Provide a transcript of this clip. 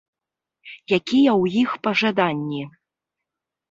Якія ў іх пажаданні?